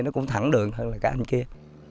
nó cũng thẳng đường hơn là cái anh kia